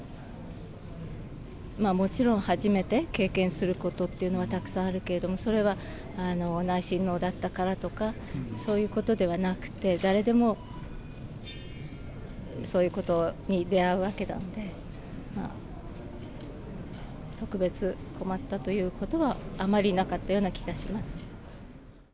もちろん初めて経験することっていうのはたくさんあるけれども、それは内親王だったからとか、そういうことではなくて、誰でもそういうことに出合うわけなんで、特別困ったということは、あまりなかったような気がします。